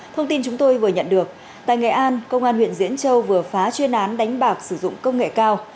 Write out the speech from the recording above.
thông tin chúng tôi vừa nhận được tại nghệ an công an huyện diễn châu vừa phá chuyên án đánh bạc sử dụng công nghệ cao